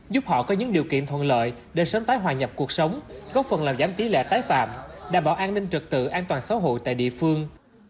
giúp họ có những điều kiện thuận lợi để sớm tái hòa nhập cuộc sống góp phần làm giảm tỷ lệ tái phạm đảm bảo an ninh trực tự an toàn xã hội tại địa phương